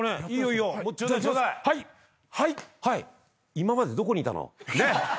今までどこにいたの？